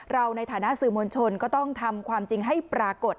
เราในฐานะสื่อมวลชนก็ต้องทำความจริงให้ปรากฏ